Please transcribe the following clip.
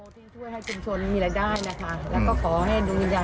ที่กินไลน์ของเขาให้ได้นะคะ